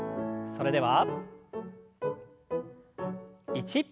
それでは１。